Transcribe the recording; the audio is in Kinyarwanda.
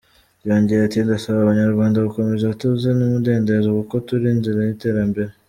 Yongeye ati " Ndasaba Abanyarwanda gukomeza ituze n’ umudendezo kuko turi mu nzira y’ iterambere".